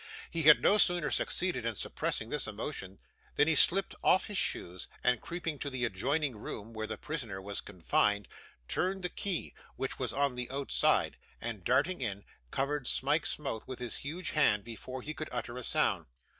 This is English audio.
He had no sooner succeeded in suppressing this emotion, than he slipped off his shoes, and creeping to the adjoining room where the prisoner was confined, turned the key, which was on the outside, and darting in, covered Smike's mouth with his huge hand before he could utter a sound.